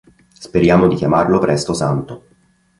Speriamo di chiamarlo presto santo".